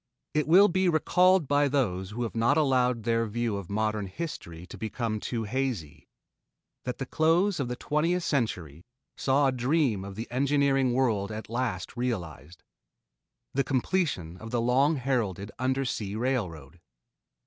It will be recalled by those who have not allowed their view of modern history to become too hazy, that the close of the twentieth century saw a dream of the engineering world at last realized the completion of the long heralded undersea railroad.